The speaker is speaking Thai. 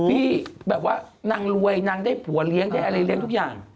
พี่แบบว่านางรวยนางได้ผัวเลี้ยงได้อะไรเลี้ยงทุกอย่าง